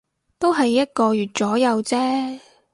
都係一個月左右啫